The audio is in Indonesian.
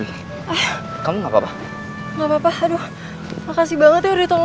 iya kamu yang ada di pernikahan pak angga sama mbak michelle ya